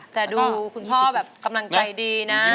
แต่ดูคุณพ่อแบบกำลังใจดีนะ